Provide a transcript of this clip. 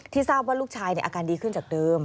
ทราบว่าลูกชายอาการดีขึ้นจากเดิม